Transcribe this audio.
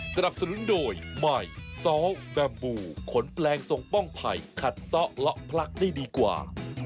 สนับสนุนโดยใหม่ซ้อแบบบูขนแปลงส่งป้องไผ่ขัดซ้อเลาะพลักได้ดีกว่า